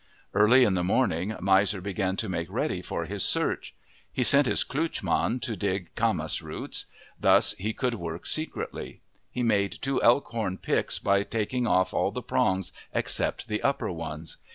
Early in the morning, Miser began to make ready for his search. He sent his klootchman to dig camas roots. Thus he could work secretly. He made two elk horn picks by taking off all the prongs except the upper ones.